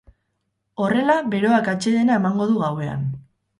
Horrela, beroak atsedena emango du gauean.